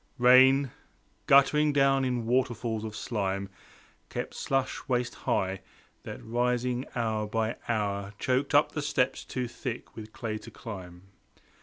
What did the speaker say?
Rain, guttering down in waterfalls of slime Kept slush waist high, that rising hour by hour, Choked up the steps too thick with clay to climb.